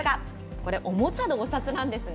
これ、おもちゃのお札なんですね。